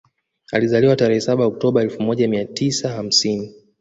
Alizaliwa tarehe saba Octoba elfu moja mia tisa hamsini